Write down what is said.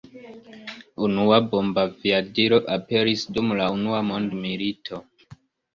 Unua bombaviadilo aperis dum la unua mondmilito.